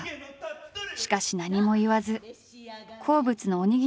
しかし何も言わず好物のおにぎりを握るのだった。